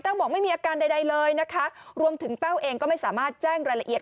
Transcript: บอกไม่มีอาการใดเลยนะคะรวมถึงแต้วเองก็ไม่สามารถแจ้งรายละเอียด